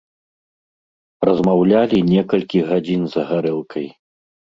Размаўлялі некалькі гадзін за гарэлкай.